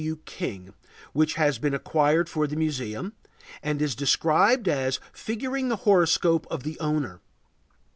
W. King, which has been acquired for the Museum, and is described as figuring the horoscope of the owner.